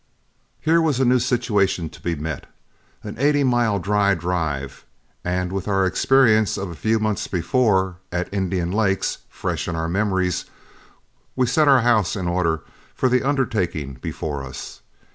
Here was a new situation to be met, an eighty mile dry drive; and with our experience of a few months before at Indian Lakes fresh in our memories, we set our house in order for the undertaking before us.